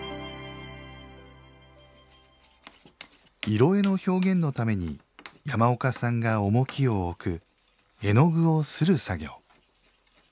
色絵の表現のために山岡さんが重きを置く絵の具を擦る作業。